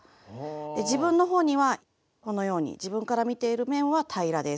自分のほうにはこのように自分から見ている面は平らです。